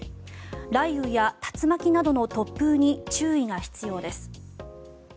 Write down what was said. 雷雨や竜巻などの突風に注意が必要です。